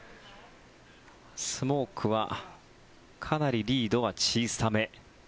スモークはかなりリードは小さめ。